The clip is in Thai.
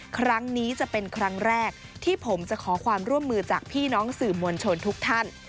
ครั้งนี้จะเป็นครั้งแรกที่ผมจะขอความร่วมมือจากพี่น้องสื่อมวลชนทุกท่าน